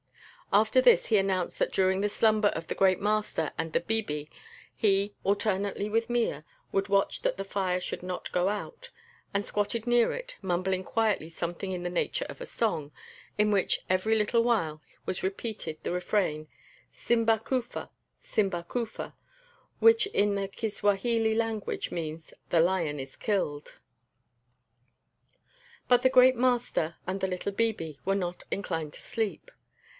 After this he announced that during the slumber of the "great master" and the "bibi" he, alternately with Mea, would watch that the fire should not go out, and squatted near it, mumbling quietly something in the nature of a song, in which every little while was repeated the refrain, "Simba kufa, simba kufa," which in the Kiswahili language means, "The lion is killed." But the "great master" and the little "bibi" were not inclined to sleep.